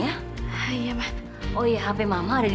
sampai jumpa lagi